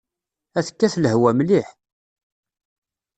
Ad tekkat lehwa mliḥ.